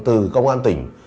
từ công an tỉnh